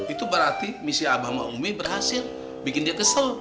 itu berarti misi abahma umi berhasil bikin dia kesel